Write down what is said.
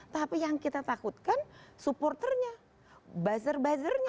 tapi yang kita takutkan supporternya buzzer buzzernya